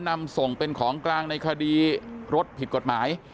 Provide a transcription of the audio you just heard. นำส่งเป็นของกลางในคดีรถผิดกฎหมาย